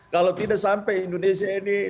kalau tidak sampai indonesia ini